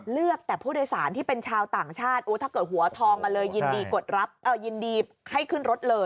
เลือกแต่ผู้โดยสารที่เป็นชาวต่างชาติถ้าเกิดหัวทองมาเลยยินดีกดรับยินดีให้ขึ้นรถเลย